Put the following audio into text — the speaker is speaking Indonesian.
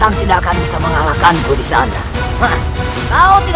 aku akan menjadikanmu penyakit